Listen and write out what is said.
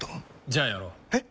じゃあやろう。え？